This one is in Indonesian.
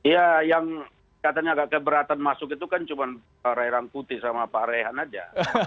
ya yang katanya agak keberatan masuk itu kan cuma pak rerang kuti sama pak rehan saja